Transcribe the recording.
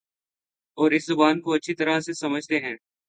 اور اس زبان کو اچھی طرح سے سمجھتے ہیں